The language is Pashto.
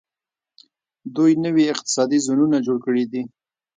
دوی نوي اقتصادي زونونه جوړ کړي دي.